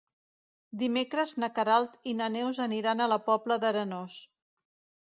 Dimecres na Queralt i na Neus aniran a la Pobla d'Arenós.